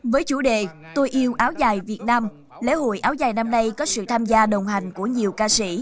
với chủ đề tôi yêu áo dài việt nam lễ hội áo dài năm nay có sự tham gia đồng hành của nhiều ca sĩ